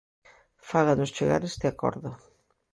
Fáganos chegar este acordo.